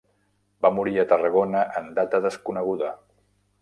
Va morir a Tarragona en data desconeguda.